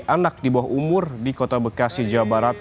anak di bawah umur di kota bekasi jawa barat